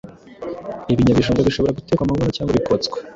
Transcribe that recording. Ibinyabijumba bishobora gutekwa mu nkono cyangwa bikotswa.